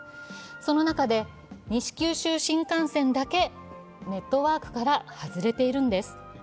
その中で、西九州新幹線だけネットワークから外れているんです。